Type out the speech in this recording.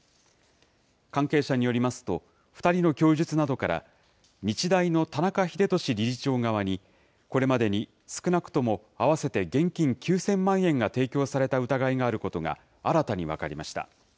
関係者によりますと、２人の供述などから、日大の田中英壽理事長側に、これまでに、少なくとも合わせて現金９０００万円が提供された疑いがあることが新たに分かりました。